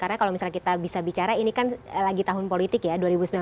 karena kalau misalnya kita bisa bicara ini kan lagi tahun politik ya dua ribu sembilan belas